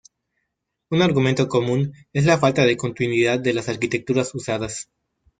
Un argumento común es la falta de continuidad de las arquitecturas usadas.